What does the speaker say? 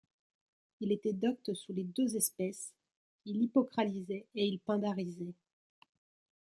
Il était docte sous les deux espèces, il hippocralisait et il pindarisait.